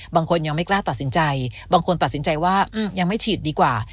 บางคนยังไม่กล้าตัดสินใจบางคนตัดสินใจว่ายังไม่ฉีดดีกว่า